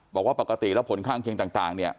บอกว่าปกติแล้วผลข้างเคียงต่างเนี่ย